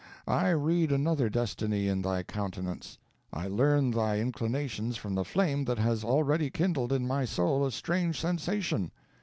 I read another destiny in thy countenance I learn thy inclinations from the flame that has already kindled in my soul a strange sensation.